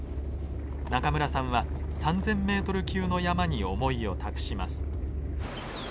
中村さんは３，０００メートル級の山に思いを託します。